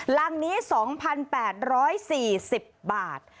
หลังนี้๒๘๔๐บาท